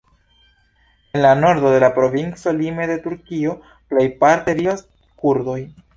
En la nordo de la provinco lime de Turkio plejparte vivas kurdoj.